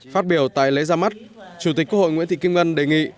phát biểu tại lễ ra mắt chủ tịch quốc hội nguyễn thị kim ngân đề nghị